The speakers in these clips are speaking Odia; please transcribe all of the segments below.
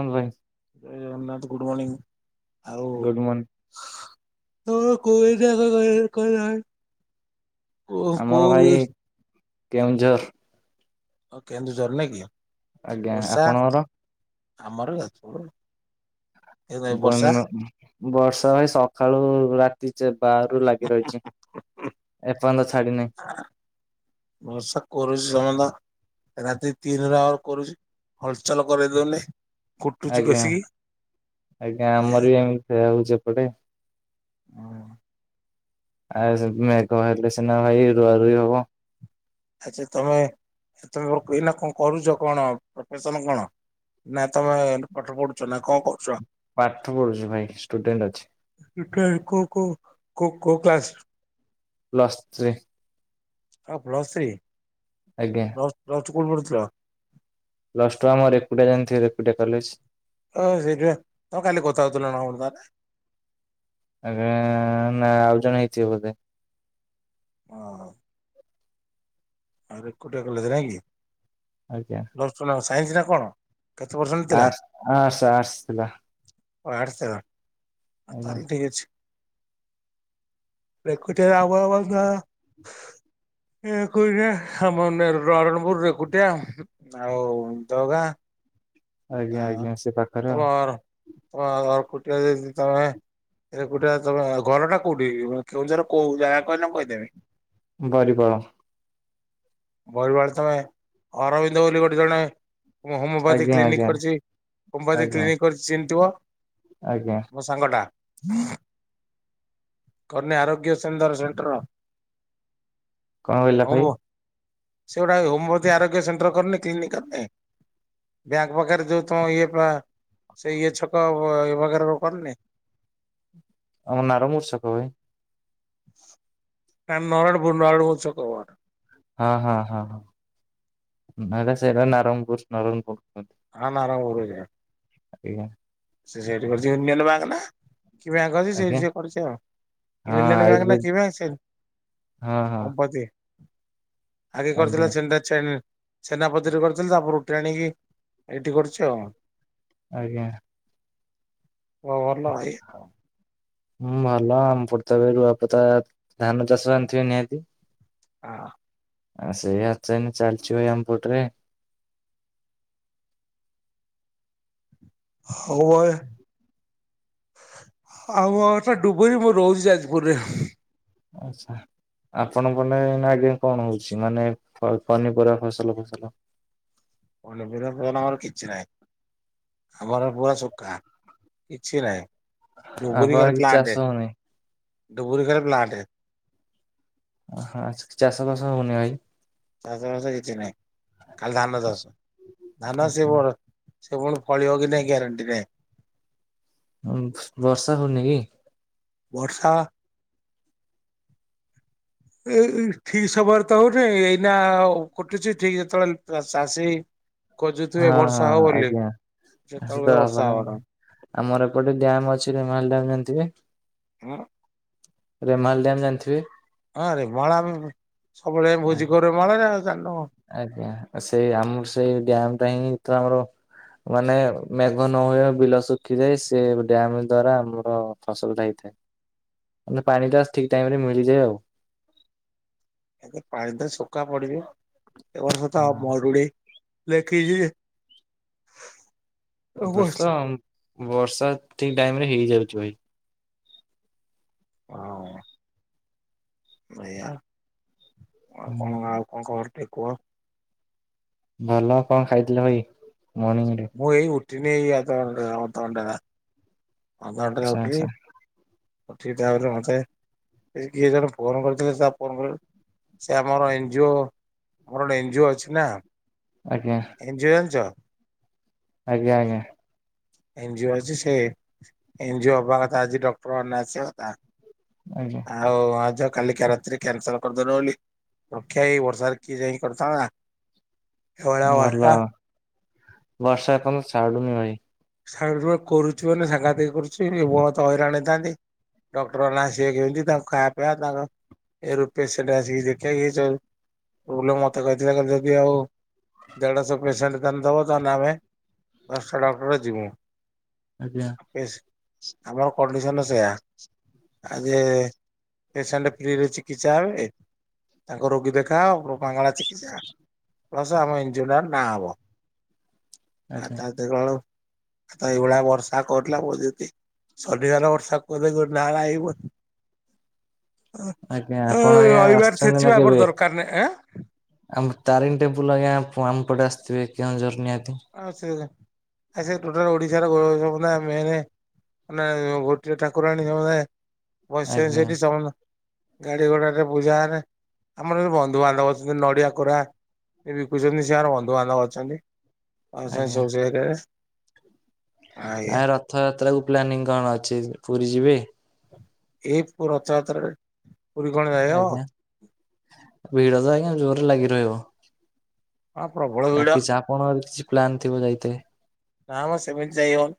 ହ ଭାଇ। ଜୟ ଜଗନ୍ନାଥ ଗୁଡ ମନିଂ ଆଉ ଗୁଡ ମର୍ଣ୍ଣିଂ [unintelligible] କୋଉ ଆମର ଭାଇ କୋଉ କେଉଁଝର। ଆଉ କେନ୍ଦୁଝର ନାଇଁ କି ଆଜ୍ଞା ବର୍ଷା ଆପଣଙ୍କର ଆମର ଯାଜପୁର। ଏ ନାଇଁ ବର୍ଷା ବନ ବର୍ଷା ଭାଇ ସକାଳୁ ରାତି ଚା ବାରରୁ ଲାଗି ରହିଚି। ଏପର୍ଯ୍ୟନ୍ତ ଛାଡି ନାହିଁ। [unintelligible] ରାତି ତିନି ରେ ଅମର କରୁଛି ହଲଚଲ କରି ଦଉନି। କୁଟୁଛି ଆଜ୍ଞା କଷିକି ଆଜ୍ଞା ହୁଁ ଆମର ବି ଏମିତି ସେୟ ହଉଚି ଏପଟେ। ଆ ମେଘ ହେଲେ ସିନା ଭାଇ ରୁଆ ରୁଇ ହବ। ଆଚ୍ଛା ତମେ ସେତେବେଳ ଏଇନା କଣ କରୁଛ କଣ ପ୍ରଫେସନ କଣ? ନା ତମେ ପାଠ ପଢୁଚ ନା କଣ କରୁଚ? ପାଠ ପଢୁଚି ଭାଇ ଷ୍ଟୁଡେଣ୍ଟ ଅଛି। ଷ୍ଟୁଡେଣ୍ଟ କୋଉ କୋଉ କୋଉ କୋଉ କ୍ଲାସ? Plus three. ହଁ ପ୍ଲସ ଥ୍ରୀ। ଆଜ୍ଞା। [unintelligible] ପ୍ଲସ ଟୁ ଆମର ରେକୁଟିଆ ଜାଣିଥିବ ରେକୁଟିଆ କଲେଜ। ଓ ସେଠି ତ କାଲି କଥା ହଉଥିଲ ନା [unintelligible] ଆ ନା ଆଉ ଜଣ ହେଇଥିବ ବୋଧେ। ଓହ। ଆଉ ରେକୁଟିଆ କଲେଜ ନାଇଁ କି। ଆଜ୍ଞା। [unintelligible] ସାଇନ୍ସ ନା କଣ? କେତେ ଆର୍ଟ୍ସ ଆର୍ଟ୍ସ ଆର୍ଟ୍ସ ଥିଲା। ଆଟ୍ସ ଥିଲା ତା ଆଜ୍ଞା ହେଲେ ଠିକ ଅଛି। [inaudible] ଆମ ର ରଣପୁର ରେକୁଟିଆ ଆଉ ଦଗା। ଆ ଆଜ୍ଞା ଆଜ୍ଞା ସେ ପାଖରେ ତମ ତମ କୁଟିଆି ତମେ [unintelligible] ଏକୁଟିଆ ତମ ଘରଟା କୋଉଠି କେଉଁଝର କୋଉ ଜାଗା କହିଲେ ମୁଁ କହିଦେବି। ବରିପାଳ। ବରି ପାଳ ତମେ ଅରବିନ୍ଦ ବୋଲି ଗୋଟେ ଜଣେ ମୁଁ ହୋମିଓପାଥି ଆଜ୍ଞା କ୍ଲିନିକ ଆଜ୍ଞା କରିଛି ହୋମୀଓପାଥି ଆଜ୍ଞା କ୍ଲିନିକ୍ କରିଛି ଚିହ୍ନିଥିବ। ଆଜ୍ଞା ମୋ ସାଙ୍ଗଟା। କନ୍ୟା ଆରୋଗ୍ୟ ସେଣ୍ଟର ସେଣ୍ଟର। କଣ କହିଲା ହଁ ଭାଇ [inaudible] ସେ ଗୁଟାଏ ହୋମପାଥି ଆରୋଗ୍ୟ ସେଣ୍ଟର କରିନି କ୍ଲିନିକା ଏଁ। ମୋପାଖରେ ଯୋଉ ତମ ଇଏ ବା [inaudible] ସେ ଇଏ ଛକ। ଆଉ ପାଖରେ ସବୁ କରିନି। ଆମ ନାର ମୂର୍ଷ ଛକ ଭାଇ। ଆମ ନରଣପୁର, ନରଣପୂର୍ ଛକ ବା। ହଁ ହଁ ହଁ [inaudible] ହଁ ସେଇଟା ନାରଙ୍ଗପୁର ନରଙ୍ଗପୁର ଛକ। ହଁ ନାରଙ୍ଗପୁର। ଆଜ୍ଞା!। ସେ ସେଇଠି କରିଛି ନିଅଣ୍ଡ ବାଙ୍କ ନା। କି ବ୍ୟାଙ୍କ ଅଛି ସେଇଠି ଆଜ୍ଞା ସେ କରିଛି ଆଉ। ହଁ ୟୁନିଅନ ବ୍ୟାଙ୍କ ନା ଆୟୁର୍ବେଦ କି ବ୍ୟାଙ୍କ ସେ ହଁ ହଁ ଓମ୍ପତି। ଆଗେ କରିଥିଲା ଆଜ୍ଞା ଛେଣ୍ଡା ଛେଲି [inaudible] ସେନାପତିରୁ କରିଥିଲି। ତାପରେ ଉଠାଇ ଆଣିକି [inaudible] ଏଠି କରୁଛି ଆଉ। ଆଜ୍ଞା!। କଣ ଭଲ ଏକ? ହଁ ଭଲ ଆମ ପଟେ ତ ଏବେ ରୁଆପତା ଧାନ ଚାଷ ଜାଣିଥିବେ ନିହାତି। ଆ ଅ ଆ ସେଇଆ ଚେନ ଚାଲିଛି ଭାଇ ଆମପଟରେ। ହଉ ଭାଇ ଆଉ ମୋ ଘରଟା ଡୁବୁରି ମୁଁ ରହୁଛି ଯାଜପୁରରେ। ଆଚ୍ଛା। ଆପଣଙ୍କନେ ନା ଆଜ୍ଞା! କଣ ହଉଛି? ମାନେ ପ ନି ପନିପରିବା ଫସଲ ଫୁସଲ।। ପନିପରିବା ଫସଲ ଆମର କିଛି ନାହିଁ। ଆମର ପୁରା ଶୁଖା କିଛି ନାହିଁ। ଆପଣ ଡୁବୁରୀ ଆଡେ ଘରେ କିଛି ଚାଷ ପ୍ଲାଣ୍ଟେ ହଉନି ଡୁବୁରୀ ଘରେ ପ୍ଲ। ଣ୍ଟେ। ହଁ ଚାଷ ବାସ ହଉନି ଭାଈ। ଚାଷ ବାସ କିଛିନାହିଁ ଖାଲି ଧାନ ଆଚ୍ଛା ଚାଷ ଧାନ ସେ ଆଜ୍ଞା ବର ସେ ପୁଣି ଫଳିବ କି ନାଇଁ ଗ୍ୟାରେଣ୍ଟି ନାହିଁ। ହଁ ବର୍ଷା ହଉନି କି? ବର୍ଷା ଏଇ ଏଇ ଠିକ ସମୟରେ ତ ହଉନି ଏଇନା କୁଟୁଛି ଠିକ ଯେତେବେଳେ ଚାଷୀ ଖୋଜୁଥିବେ ହଁ ବର୍ଷା ହଁ ହବ ବୋଲି ଆଜ୍ଞା ସେ ତ ସେତେବେଳେ ବର୍ଷା ହବ ନା ନାହିଁ ଆମର ଗୋଟେ ଡ୍ୟାମ ଅଛି ରେମାଲ ଡ୍ୟାମ ଜାଣିଥିବେ। ହଁ। ରେମାଲ ଡ୍ୟାମ ଜାଣିଥିବେ? ହଁ ରେମାଲମ୍ ସବୁବେଳେ ଭୋଜି କରୁ ରେମାଳମ୍ ରେ ଜାଣିନୁ ଆଜ୍ଞା ସେଇ ଆମ ସେଇ ଡ୍ୟାମ୍ ପାଇଁ ତ ଆମର ମାନେ ମେଘ ନ ହୁଏ ବିଲ ଶୁଖିଯାଏ ସେ ଡ୍ୟାମେ ଦ୍ଵାରା ଆମର ଫସଲଟା ହେଇ ମାନେ ପାଣିଟା ଠିକ୍ ଟାଇମ୍ ରେ ମିଳିଯାଏ ଆଉ। ଏବେ ପାଣି ତ ଶୁଖା ପଡିଯିବ ଉ ଏ ବର୍ଷ ତ ହଁ। ମରୁଡି ଲେଖିଛି। ଏବର୍ଷ ବର୍ଷା ବର୍ଷା ଠିକ୍ ଟାଇମ୍ ରେ ହେଇଯାଉଛି ଭାଇ। ଓ ହୋ [inaudible] ଏୟା ଆଉ କଣ ଆଉ କଣ ଖବର ଟିକେ କୁହ ଭଲ କଣ ଖାଇଥିଲ ଭାଇ ମର୍ନିଙ୍ଗ ରେ? ମୁଁ ଏଇ ଉଠିନି ଏଇ ଅଧ ଅଧ ଘଣ୍ଟା ଅଧ ଘଣ୍ଟା ହେଲା ଆଚ୍ଛା ଉଠିଲି ଆଚ୍ଛା ଉଠିକି ଚାହୁଁ ଚାହୁଁ ଘଣ୍ଟେ ଏଇ କିଏ ଜଣେ ଫୋନ୍ କରିଥିଲେ ସେ ଆପଣଙ୍କର ସେ ଆମର ଏନ୍ ଜି ଓ ମୋର ଗୋଟିଏ ଏନ୍ ଜି ଓ ଅଛି ନା ଆଜ୍ଞା। ଏନ୍ ଜି ଓ ଜାଣିଛ? ଆଜ୍ଞା ଆଜ୍ଞା। ଏନ୍ ଜି ଓ ଅଛି ସେ ଏନ୍ ଜି ଓ ହବା କଥା ଆଜି ଡକ୍ଟର ମାନେ ଆସିଆ କଥା ଆଜ୍ଞା। ଆଉ ଆ ଯା କାଲି କା ରାତିରେ କ୍ୟାନସଲ୍ କରିଦେଲୁ ବୋଲି ରକ୍ଷା ଏଇ ବର୍ଷାରେ କିଏ ଯାଇ କରିଥାନ୍ତା। ଏଭଳିଆ ଭଲ ବର୍ଷା ବର୍ଷା ଏପର୍ଯ୍ୟନ୍ତ ଛାଡୁନି ଭାଇ [inaudible] କରୁଛି ମାନେ ସାଙ୍ଘାତିକ୍ କରୁଛିୁ ବହୁତ୍ ହଇରାଣ ହେଇଥାନ୍ତି। ଡକ୍ଟର ମାନେ ଆସିବେ କେମିତି ତାଙ୍କୁ ଖାଆ ପିଆ ତାଙ୍କ ଏ ରୂପିଶ୍ ସେଟା ଆସିକି ଦେଖା ଇଏଚ ମତେ କହିଥିଲା କହ ଯଦି ଆଉ ଦେଢଶହ ପେସେଣ୍ଟ୍ ତାହାଲେ ଦବ ତାହେଲେ ଆମେ ପାଞ୍ଚଟା ଡକ୍ଟର ଯିମୁ। ଆଜ୍ଞା। ଏସ୍ ଆମର କଣ୍ଡିସନ୍ ସେୟା। ଆ ଯେ ପେସେଣ୍ଟେ ଫ୍ରିରେ ଚିକିତ୍ସା ହବେ ତାଙ୍କ ରୋଗୀ ଦେଖାଅ ବାଙ୍ଗଳା ଚିକିତ୍ସା। ପ୍ଳସ ଆମ ଏନ୍ ଜି ଓ ଟା ନାହବ ଆ ଆଜ୍ଞା ତାହେଲେ ତ କଣ ଆ ଏଇଡ଼ା ବର୍ଷା କଟ୍ ଲା ମଜ୍ ଦି ସନି ବାର ବର୍ଷା କଲେ ନା - ନା ଏ ବର୍ [inaudible] ଆଜ୍ଞା ଆପଣ ଉଁ ଆଜ୍ଞା ରଇବାର ଆସିଛନ୍ତି ନା ଛେଚିବ ଆମର କେବେ? ଦର୍ କାର୍ ନାହିଁଁ ଆଁ ଆମ ତାରିଣି ଟେମ୍ପୁଲ୍ ଆଜ୍ଞା ଆ ଆମ୍ ପଟେ ଆସିଥିବେ କେଉଁଝର ନିହାତି ଆସିଛି ଆଞ୍ଜା ଆ ସେପଟେ ରେ ଓଡିଶାର ଗୌବ ମେନେ ମାନେ ଗୋଟିଏ ଠାକୁରାଣୀ ସମ୍ ଆଜ୍ଞା ଦାଏ [inaudible] ଗାଡି ଘୋଡା ରେ ପୂଜା ହେନେ ଆମର ବନ୍ଧୁବାନ୍ଧବ ଅଛନ୍ତି ନଡିଆ କୋରା ସିଏ ବିକୁଛନ୍ତି ସେ ଆମର ବନ୍ଧୁବାନ୍ଧବ ଅଛନ୍ତି [inaudible] ସା- ଆଜ୍ଞା। ସ୍ - ବ୍ ରେ। ଆ ରଥଯାତ୍ରା କୁ ପ୍ଲାନିଂ କଣ ଅଛି ପୁରୀ ଯିବେ? ଏ ପୁ ରଥ ଯାତ୍ରାରେ ଆଜ୍ଞା ଭିଡ ତ ଆଜ୍ଞା ଜୋରେ ଲାଗି ରହିବ। ହଁ ପ୍ରବଳ। ଆ ଭିଡ କିଛି ଆପଣଙ୍କ କିଛି ପ୍ଲାନ୍ ଥିବ ଯାଇତେ ନା ମ ସେମିତି ଯାଇ ହବନି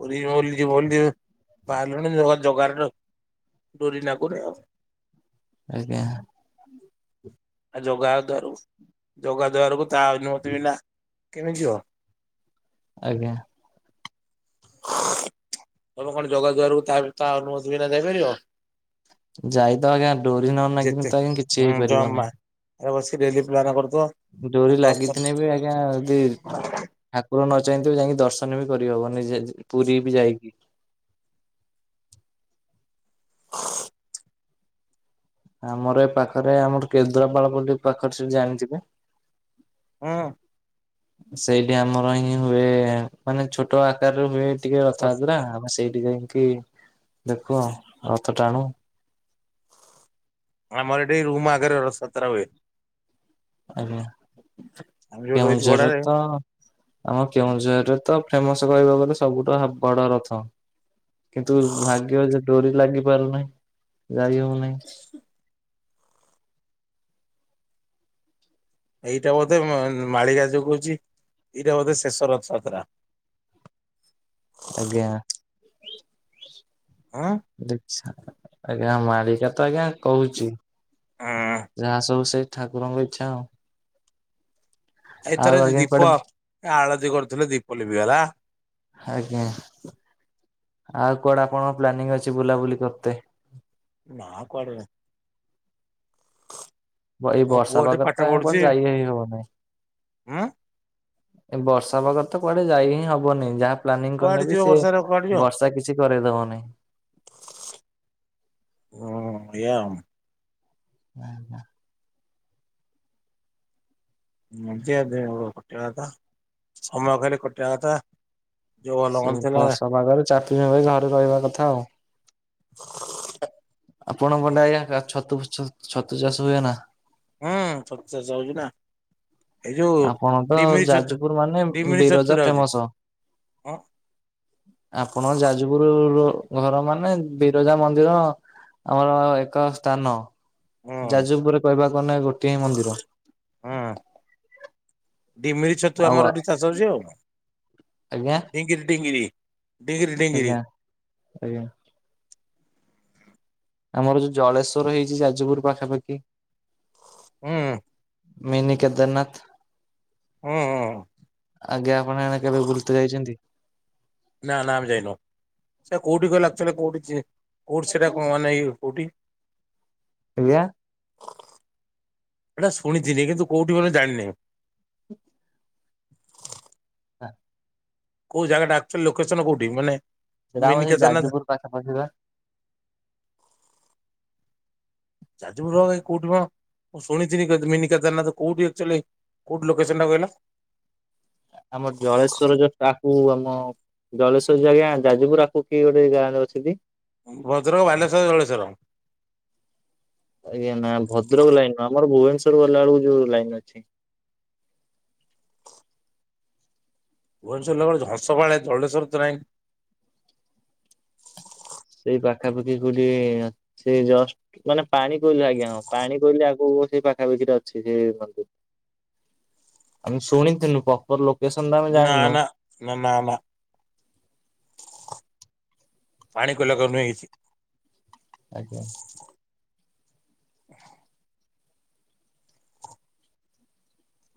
ପୁରୀ [inaudible] ବାହାରିଲୁଣି ଜଗାର ତ ଡୋରି ଲାଗୁନି ଆଉ। ଆଜ୍ଞା। ଆ ଜଗା ଦ୍ୟରୁ ଜଗା ଦ୍ୟାରକୁ ତା ଅନୁମତି ବିା କେମିତି ଯିବ। ଆଜ୍ଞା। ହିଁ। [unintelligible] ତମେ କଣ ଜଗା ଦୁଆାରକୁ ତା ତା ଅନୁମତି ବିନା ଯାଇପାରିବ? ଯାଇ ତ ଆଜ୍ଞା ଡୋରି ନାଗି କିି ତ ଆଜ୍ଞା କିଛି ହେଇପାରିବ ନାହିଁ। ଘରେ ବସି ଡେଲି ପ୍ଲାନ୍ କରୁଥିବ। ଡୋରି ଦଶ ଥର ଲାଗିିଥିନେ ବି ଆଜ୍ଞା ଦି ଠାକୁର ନ ଚାହିଁଥିବେ ଯାଇକି ଦର୍ଶନ ବି କରିହବନି ପୁରୀ ବି ଯାଇକି। ଆମର ଏ ପାଖରେ ଆମର୍ କେନ୍ଦ୍ରାପାଳ ବୋଲି ପାଖରେ ସ୍ ଜାଣିଥିବେ? ହଁ। ସେଇଠି ଆମର ହିଁ ହୁଏ ମାନେ ଛୋଟ ଆକାରରେ ହୁଏ। ଟିକେ ରଥଯାତ୍ରା ଆମେ ସେଇଠି ଯାଇକି ଦେଖୁ ଆଉ ରଥ ଟାଣୁ। ଆମର ଏଠି ରୁମ୍ ଆଗରେ ରଥଯାତ୍ରା ହୁଏ। ଆଜ୍ଞା ଆମେ ଯୋଉ ରହିଛୁ କେଉଁଝର୍ ରେ ଭଡାରେ ତ। ଆମ କେଉଁଝରରେ ତ ଫେମଶ୍ କହିବା କୁ ଗଲେ ସବୁଠୁ ହା ବଡ ରଥ। କିନ୍ତୁ ଭାଗ୍ୟ ଯେ ଡୋରି ଲାଗି ପାରୁନାହିଁ ଯାଇ ହଉନାହିଁ। ଏଇଟା ବୋଧେ ମାଳିକା ଯୋଉଁ କୋହୁଛି ଏଇଟା ବୋଧେ ଶେଷ ରଥଯାତ୍ରା। ଆଜ୍ଞା ସ୍- ସ୍। ହଁ ଦେଛା ଆଜ୍ଞା ମାଳିକା ତ ଆଜ୍ଞା କହୁଛି, ହଁ ଯାହା ସବୁ ସେଇ ଠାକୁରଙ୍କ ଇଚ୍ଛା ଆଉ। ଆଉ ଏଇଥର ଆଜ୍ଞା ଦୀପ କୁଆଡେ ଆଳତି କରୁଥିଲେ ଦୀପ ଲିଭି ଗଲା। ଆଜ୍ଞା ଆଉ କୁଆଡା ଆପଣଙ୍କ ପ୍ଲାନିଂ ଅଛି ବୁଲାବୁଲି କରତେ? ନା କୁଆଡ ନାହିଁ। ଏଇ ବର୍ଷା ପାାଗରେ ତ ଏ କଣ ଯାଇ ହି ହବ ନାହିଁ। ଉୁଁ। ଏ ବର୍ଷା ପାଗରେ ତ କୁଆଡେ ଯାଇ ହିଁ ହବନି ଯାହା ପ୍ଲାନିଂ କୁଆଡେ କରିନେ ବି ଯିବ ସେ ବର୍ଷାରେ କୁଆଡେ ଯିବ ବର୍ଷା କିଛି କରେଇଦବନି। ହୁଁ ଏଇଆ ଆଉ। ନା ନା। ନିଜେ ଯେ ବଞ୍ଚିବା କଥା ସମୟ ଖାଲି କଟିବା କଥା। ଯୋଉ ଭଲ ସେଇ ମନ୍ଦ ଥିଲା ବର୍ଷା ପାଗରେ ଚାହା ପିଇବା ଭାଇ ଘରେ ରହିବା କଥା ଆଉ। ଆପଣ କଟେ ଆଜ୍ଞା ଛତୁ ଛତୁ ଚାଷ ହୁଏ ନା। ହୁଁ ଛତୁ ଚାଷ ହଉଛି ନା। ଏଇ ଯୋଉ ଆପଣ ତ ଡିମିଳି ଛତୁ ଯାଜପୁର ମାନେ ଡିମିିଳି ବିରଜା ଛତୁ ରେ ଆଉଚି। ଫେମସ। ଅ। ଆପଣ ଯାଜପୁର ଘର ମାନେ ବିରଜା ମନ୍ଦିର ଆମର ଏକ ସ୍ଥାନ ହଁ ଯାଜୁପରେ କହିବାକୁ ଗଲେ ଗୋଟିଏ ମନ୍ଦିର। ହଁ ତିମିଲି ଛତୁ ଆଉ ଆମର ଏଠି ଚାଷ ହଉଛି ଆଉ। ଆଜ୍ଞା। ଡିଙ୍ଗିରି ଡିଙ୍ଗିରି। ଡିଙ୍ଗିରି ଡିଙ୍ଗିରି ଆଜ୍ଞା ଆଜ୍ଞା। ଆମର ଯୋଉ ଜଳେଶ୍ଵର ହେଇଛି ଯାଜପୁର ପାଖାପାଖି ହୁଁ। ମିନି କେଦାରନାଥ ଉୁଁ ଉୁଁ। ଆଜ୍ଞା ଆପଣ ଏଣେ କେବେ ବୁଲିତେ ଯାଇଛନ୍ତି। ନା ନା ଆମେ ଯାଇନ ସେ କୋଉଠି କହିଲ ଆକ୍ ଚୁଆଲି କୋଉଠି କୋଉଠି ସେଟା କଣ ମାନେ କୋଉଠି? ଆଜ୍ଞା। ଏଟା ଶୁଣିିଥିନି କିନ୍ତୁ କୋଉଠି କଣ ଜାଣିନେଇ। ହଁ। କୋଉ ଜାଗା ଅକ୍ଚୁଆଲି ଲୋକେସନ କୋଉଠି ମାନେ ସେଇଟା ମିନି ଆମର ଯୋଉ କେଦାରନାଥ ଯାଜପୁର ପାଖପାଖିି ବା। ଯାଜପୁର ରେ ଭାଇ କୋଉଠି କଣ? ମୁଁ ଶୁଣିିଥିନିି ମିନି କେଦାରନାଥ କୋଉଠି ଆକ୍ଚୁଆଲି କୋଉଠି ଲୋକେସନ ଟା କହିଲ। ଆମର ଜଳେଶ୍ଵର ଯୋଉ ତାକୁ ଆମ ଜଳେଶ୍ୱର ଆଜ୍ଞା ଯାଜପୁର ର ଆଗକୁ କି ଗୋଟେ ଗାଁରେ ଅଛନ୍ତି। ଭଦ୍ରକ ବାଲେଶ୍ୱର ଜଳେଶ୍ୱର। ଆଜ୍ଞା ନା ଭଦ୍ରକ ଲାଇନ ଆମର ଭୁବନେଶ୍ୱର ଗଲାବେେଳକୁ ଯୋଉ ଲାଇନ ଅଛି। ଭୁବନେଶ୍ୱର ଗଲା ବେଳେ ହଂସପାଳ ଜଳେଶ୍ୱର ତ ନାହିଁ। ସେଇ ପାଖାପାଖି କୋଉଠି ଅଛି ସେ ଜଷ୍ଟ ମାନେ ପାଣି କୋଇଲିୁ ଆଜ୍ଞା ହଁ ପାଣି କୋଇଲିି ଆଗକୁ ସେଇ ପାଖାପାଖିରେ ଅଛି ସେ ମନ୍ଦିର। ଆମେ ଶୁଣିଥଥିଲୁ ପପର ଲୋକ ନା ନା। ନା ନା ନା ପାଣି କ ଲଗନୁ ହେଇଛି [inaudible] ଆଜ୍ଞା। ହ।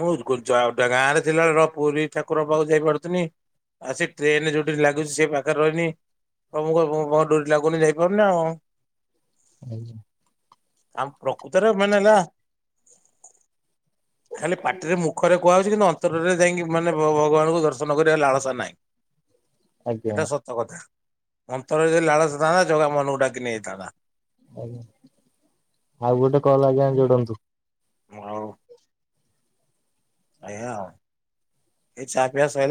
ମୁଁ ଗାଁରେ ଥିଲାବେେଳେ କଣ ପୁରୀ ଠାକୁର ପାଖକୁ ଯାଇ ପାରୁଥିନି। ଆ ସେ ଟ୍ରେନ ଯୋଉଠି ଲାଗୁଛି ସେ ପାଖରେ ରହିନି। ପ୍ରୋଭୁ ଙ୍କ ଡୋରି ଲାଗୁନି ଯାଇପାରୁନି ଆଉ। [unintelligible] ଆଉ ପ୍ରକୃତରେ ମେନେ ହେଲା ଖାଲି ପାଟିରେ ମୁଖରେ କୁହାଯାଉଛି କିନ୍ତ ଅନ୍ତରରେ ଯାଇକି ମାନେ ଭଗବାନଙ୍କୁ ଦର୍ଶନ କରିବା ଲାଳସା ନାହିଁ। ଏଟା ଆଜ୍ଞା। ସତ କଥା ଅନ୍ତରରେ ଯଦି ଲାଳସଥାନ୍ତା ଜଗା ମନକୁଡାକି ନେଇଯାଇ ଥାନ୍ତା। ଆଜ୍ଞା ଆଉ ଗୋଟେ କଲ୍ ଆଜ୍ଞା ଯୋଡନ୍ତୁ। ହୋଉ। ଆଜ୍ଞା ଏ ଚା ପିଆ ସରିଲା।